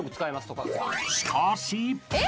［しかし］